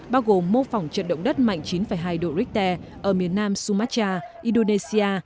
bao gồm mô phỏng trận động đất mạnh chín hai độ richter ở miền nam sumatra indonesia